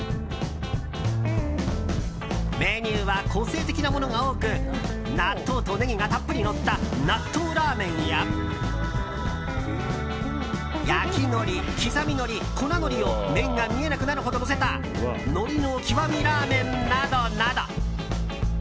メニューは個性的なものが多く納豆とネギがたっぷりのった納豆ラーメンや焼きのり、刻みのり、粉のりを麺が見えなくなるほどのせた海苔の極みラーメンなどなど。